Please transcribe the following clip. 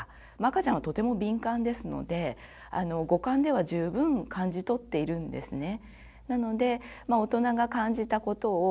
赤ちゃんはとても敏感ですので五感では十分感じ取っているんですね。